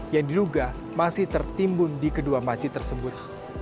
yang diduga masih tertimbun di kedua masjid tersebut